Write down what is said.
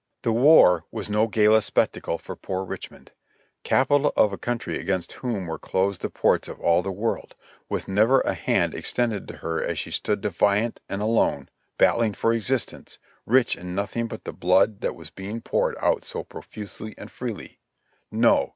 The war was no gala spectacle for poor Richmond — Capital of a country against whom were closed the ports of all the world, with never a hand extended to her as she stood defiant and alone, battling for existence, rich in nothing but the blood that was being poured out so profusely and freely; no!